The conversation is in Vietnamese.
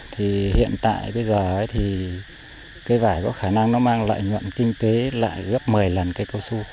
thì hiện tại bây giờ thì cây vải có khả năng nó mang lại nguồn kinh tế lại gấp một mươi lần cây cầu sông